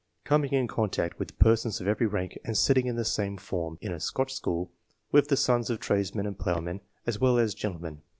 —*' Coming in contact with persons of every rank, and sitting in the same form [in a Scotch school] with the sons of tradesmen and ploughmen, as well as gentle men."